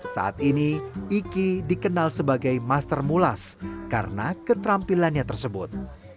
saat ini iki dikenal sebagai master mulas karena keterampilannya tersebut